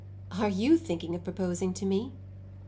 "Are you thinking of proposing to me?"